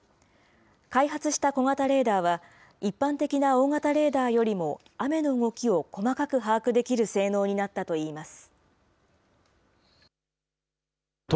開発した小型レーダーは、一般的な大型レーダーよりも雨の動きを細かく把握できる性能になったといいます。